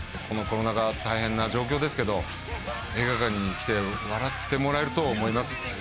このコロナが大変な状況ですけど映画館に来て笑ってもらえると思います